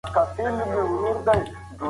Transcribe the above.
آیا تاسې غواړئ د سینما ستوری تعقیب کړئ؟